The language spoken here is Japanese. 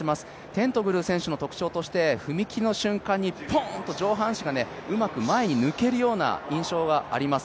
テントグル選手の特徴として、踏み切りの瞬間にポーンと上半身がうまく前に抜けるような印象があります。